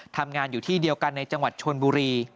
ทำงานอยู่ที่เดียวกันในจังหวัดชนบุรี